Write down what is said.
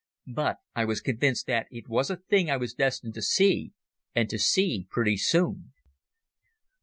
But I was convinced that it was a thing I was destined to see, and to see pretty soon.